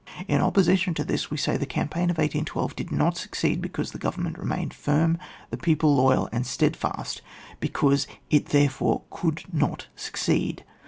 In opposition to this, we say, the cam paign of 1812 did not succeed because the government remained firm, the people loyal and steadfast, because it therefore could not succeed.